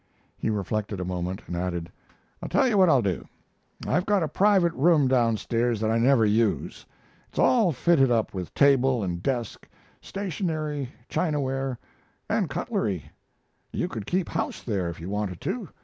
He reflected a moment, and added: "I'll tell you what I'll do: I've got a private room down stairs that I never use. It's all fitted up with table and desk, stationery, chinaware, and cutlery; you could keep house there, if you wanted to.